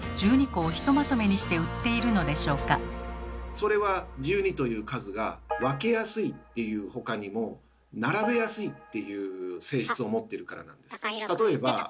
それは１２という数が「分けやすい」っていう他にも「並べやすい」っていう性質を持ってるからなんです。